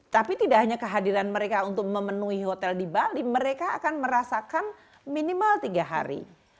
tapi tidak hanya kehadiran mereka untuk memenuhi hotel di bali mereka akan merasakan minimal tiga hari